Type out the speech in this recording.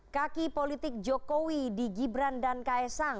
kaki politik jokowi di gibran dan ks sang